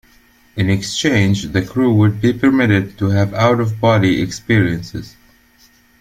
In exchange, the crew would be permitted to have out of body experiences.